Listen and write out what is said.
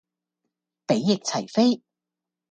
比翼齊飛